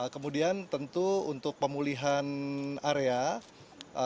kemudian tentu untuk pemulihan area